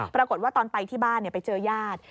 ปรากฏว่าตอนไปที่บ้านไปเจอญาติ